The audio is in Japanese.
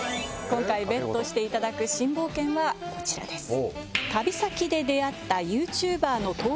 今回ＢＥＴしていただく新冒険はこちらです。